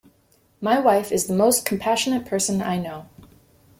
My wife is the most compassionate person I know.